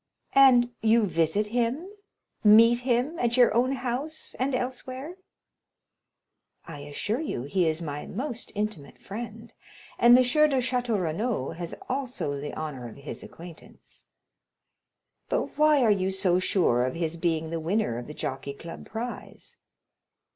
"And you visit him?—meet him at your own house and elsewhere?" "I assure you he is my most intimate friend, and M. de Château Renaud has also the honor of his acquaintance." "But why are you so sure of his being the winner of the Jockey Club prize?"